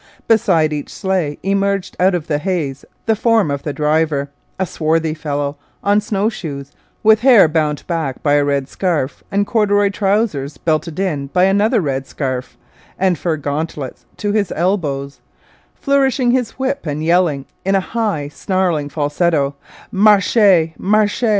Beside each sleigh emerged out of the haze the form of the driver a swarthy fellow, on snow shoes, with hair bound back by a red scarf, and corduroy trousers belted in by another red scarf, and fur gauntlets to his elbows flourishing his whip and yelling, in a high, snarling falsetto, 'marche! marche!'